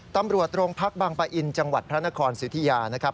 ตำรวจโรงพักบางปะอินจังหวัดพระนครสิทธิยานะครับ